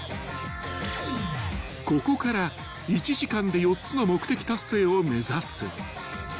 ［ここから１時間で４つの目的達成を目指す］